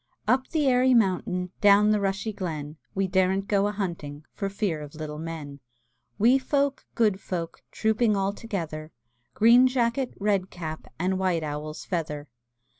Up the airy mountain, Down the rushy glen, We daren't go a hunting For fear of little men; Wee folk, good folk, Trooping all together; Green jacket, red cap, And white owl's feather!